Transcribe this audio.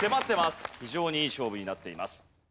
非常にいい勝負になっています。